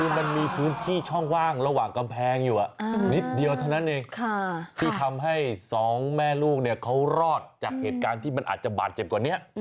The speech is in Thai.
คือมันมีพื้นที่ช่องว่างระหว่างกำแพงอยู่นิดเดียวเท่านั้นเองที่ทำให้สองแม่ลูกเนี่ยเขารอดจากเหตุการณ์ที่มันอาจจะบาดเจ็บกว่านี้